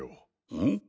うん？